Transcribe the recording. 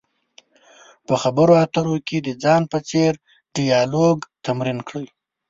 په خبرو اترو کې د ځان په څېر ډیالوګ تمرین کړئ.